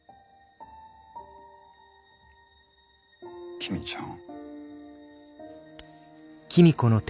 公ちゃん。